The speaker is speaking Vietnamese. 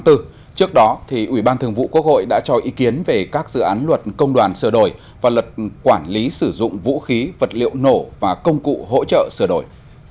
trước đó ủy ban thường vụ quốc hội đã cho ý kiến về các dự án luật công đoàn sửa đổi và luật quản lý sử dụng vũ khí vật liệu nổ và công cụ hỗ trợ sửa đổi